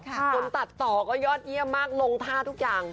คนตัดต่อก็ยอดเยี่ยมมากลงท่าทุกอย่าง